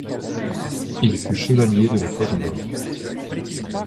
Il fut Chevalier de la Toison d'Or.